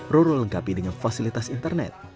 roro lengkapi dengan fasilitas internet